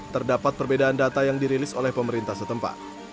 terdapat perbedaan data yang dirilis oleh pemerintah setempat